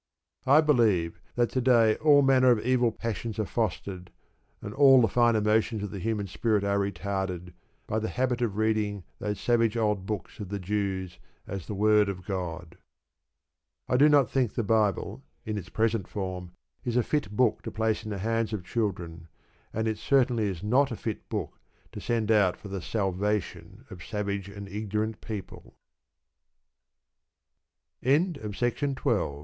I believe that to day all manner of evil passions are fostered, and all the finer motions of the human spirit are retarded, by the habit of reading those savage old books of the Jews as the word of God. I do not think the Bible, in its present form, is a fit book to place in the hands of children, and it certainly is not a fit book to send out for the "salvation" of savage and ignorant people. OUR HEAVENLY FATHER The Rev. T.